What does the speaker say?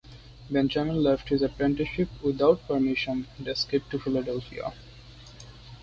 Benjamin left his apprenticeship without permission and escaped to Philadelphia.